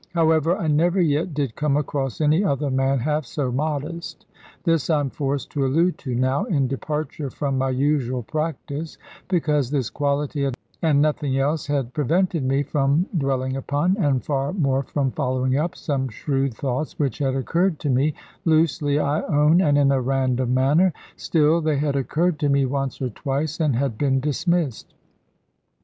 However, I never yet did come across any other man half so modest. This I am forced to allude to now, in departure from my usual practice, because this quality and nothing else had prevented me from dwelling upon, and far more from following up, some shrewd thoughts which had occurred to me, loosely, I own, and in a random manner, still they had occurred to me once or twice, and had been dismissed.